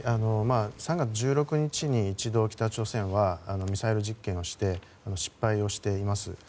３月１６日に１度北朝鮮はミサイル実験をして失敗しています。